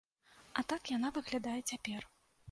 А так яна выглядае цяпер.